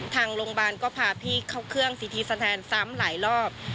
ทางโรงพยาบาลก็พาพี่เข้าเครื่องซีทีสแทนซ้ำหลายรอบ